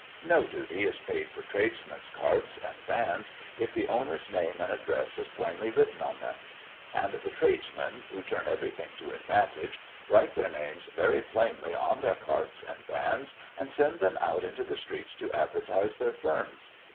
No duty is paid for tradesmen's carts and vans, if the owner's name and address is plainly written on them; and the tradesmen, who turn everything to advantage, write their names very plainly on their carts and vans, and send them out into the streets to advertise their firms.